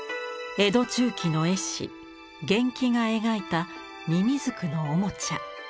江戸中期の絵師源が描いたみみずくのおもちゃ。